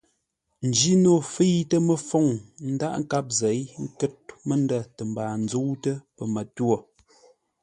Njino fə̂itə məfoŋ ńdághʼ nkâp zěi ńkə́r məndə̂ tə mbaa ńzə́utə́ pəmətwô.